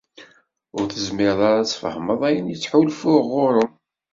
ur tezmireḍ ara ad tfahmeḍ ayen i ttḥulfuɣ ɣur-m.